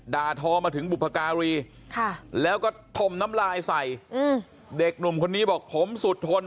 ทอมาถึงบุพการีแล้วก็ถมน้ำลายใส่เด็กหนุ่มคนนี้บอกผมสุดทน